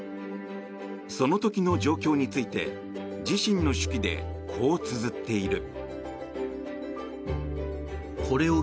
その時の状況について自身の手記でこうつづっている。